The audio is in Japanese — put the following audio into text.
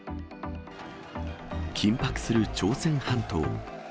緊迫する朝鮮半島。